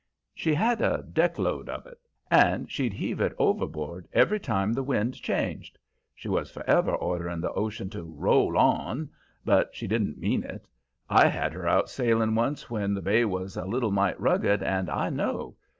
She had a deckload of it, and she'd heave it overboard every time the wind changed. She was forever ordering the ocean to "roll on," but she didn't mean it; I had her out sailing once when the bay was a little mite rugged, and I know.